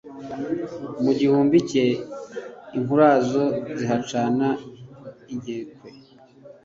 Mu gihumbi cye inkurazo zihacana inkekwe